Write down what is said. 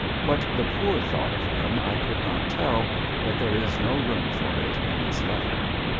What the poor thonght of him I conld not tell, but there is no room for it in this letter.